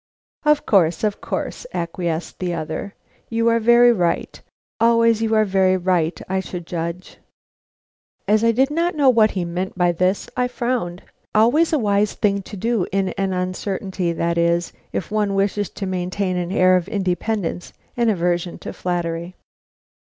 "Of course, of course," acquiesced the other. "You are very right; always are very right, I should judge." As I did not know what he meant by this, I frowned, always a wise thing to do in an uncertainty; that is, if one wishes to maintain an air of independence and aversion to flattery.